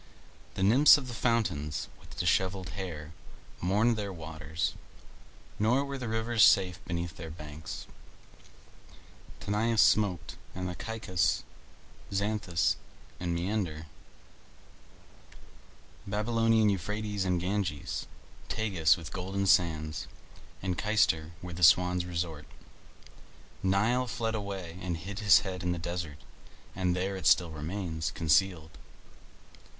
The Nymphs of the fountains, with dishevelled hair, mourned their waters, nor were the rivers safe beneath their banks: Tanais smoked, and Caicus, Xanthus, and Meander; Babylonian Euphrates and Ganges, Tagus with golden sands, and Cayster where the swans resort. Nile fled away and hid his head in the desert, and there it still remains concealed.